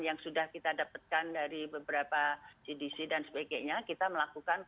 yang sudah kita dapatkan dari beberapa cdc dan sebagainya kita melakukan